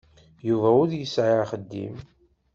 Yuba ur yesɛi axeddim.